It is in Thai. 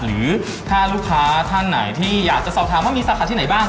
หรือถ้าลูกค้าท่านไหนที่อยากจะสอบถามว่ามีสาขาที่ไหนบ้าง